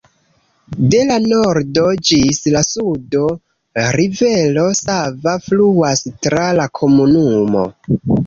De la nordo ĝis la sudo, rivero Sava fluas tra la komunumo.